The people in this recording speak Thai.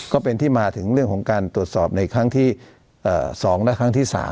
ก็เป็นที่มาถึงเรื่องของการตรวจสอบในครั้งที่๒และครั้งที่๓